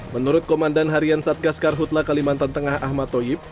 menurut komandan harian satgas karhutla kalimantan tengah ahmad toyib